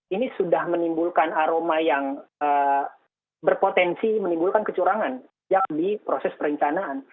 ini sudah menimbulkan aroma yang berpotensi menimbulkan kecurangan yang di proses perencanaan